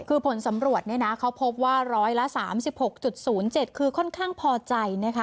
คือผลสำรวจเขาพบว่าร้อยละ๓๖๐๗คือค่อนข้างพอใจนะคะ